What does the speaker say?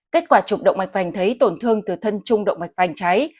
kết quả trục động mạch phành thấy tổn thương từ thân chung động mạch phành cháy